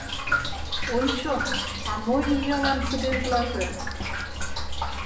— Ончо, а мо иялан кыдежлаже?..